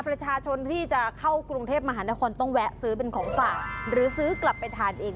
ประชาชนที่จะเข้ากรุงเทพมหานครต้องแวะซื้อเป็นของฝากหรือซื้อกลับไปทานเอง